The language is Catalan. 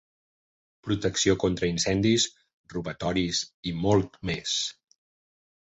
Protecció contra incendis, robatoris i molt més.